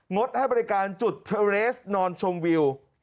ดให้บริการจุดเทอร์เรสนอนชมวิว